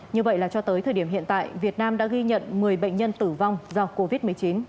như vậy là cho tới thời điểm hiện tại việt nam đã ghi nhận một mươi bệnh nhân tử vong do covid một mươi chín